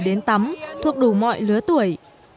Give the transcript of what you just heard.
đến tắm thuộc đủ mọi lứa tuổi